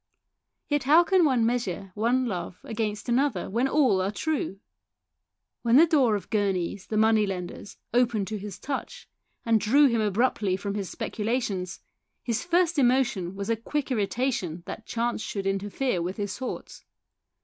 Yet, how can one measure one love against another when all are true? When the door of Gurneys', the money lenders, opened to his touch, and drew him abruptly from his speculations, his first emotion was a quick irritation that chance should interfere with his thoughts.